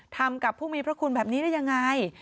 ทำกับผู้มีพระคุณแบบนี้ได้ยังไง